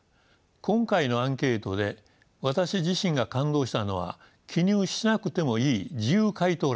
今回のアンケートで私自身が感動したのは記入しなくてもいい自由回答欄